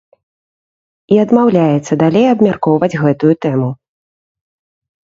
І адмаўляецца далей абмяркоўваць гэтую тэму.